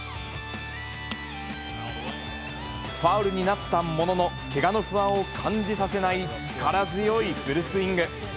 ファウルになったものの、けがの不安を感じさせない力強いフルスイング。